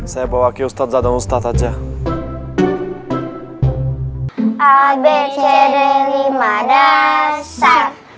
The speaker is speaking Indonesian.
saya bawaki ustadzah dan ustadzah aja